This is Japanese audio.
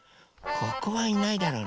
ここはいないだろうな。